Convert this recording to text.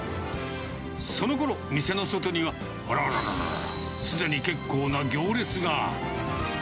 そのころ、店の外には、あらららら、すでに結構な行列が。